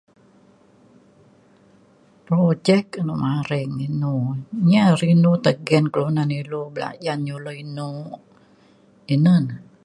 projek inu maring inu nyi are inu tai nggin ilu belajan nyulo eno ina ne